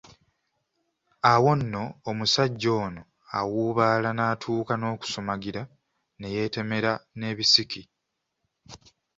Awo nno omusajja ono awuubaala n’atuuka n’okusumagira ne yeetemera n’ebisiki.